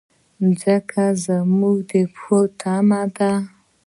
مځکه زموږ د پښو تمه ده.